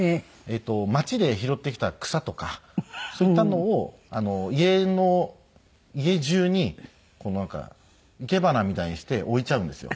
街で拾ってきた草とかそういったのを家の家中に生け花みたいにして置いちゃうんですよ。